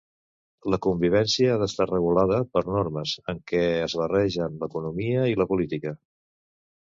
La convivència ha d'estar regulada per normes, en què es barregen l'economia i la política.